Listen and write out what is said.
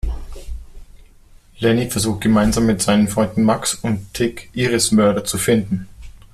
Lenny versucht gemeinsam mit seinen Freunden Max und Tick, Iris’ Mörder zu finden.